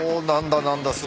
何だ？